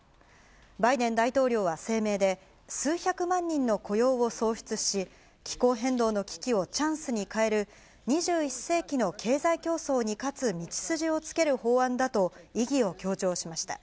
バイデン大統領は声明で、数百万人の雇用を創出し、気候変動の危機をチャンスに変える、２１世紀の経済競争に勝つ道筋をつける法案だと意義を強調しました。